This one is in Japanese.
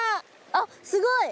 あっすごい！